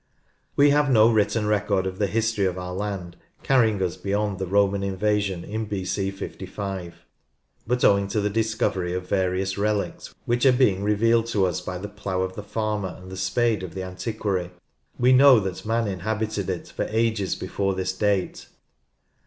We have no written record of the history of our land carrying us beyond the Roman invasion in B.C. 55, but, owing to the discovery of various relics which are being revealed to us by the plough of the farmer and the spade of the antiquary, we know that Man inhabited it for ages before this date.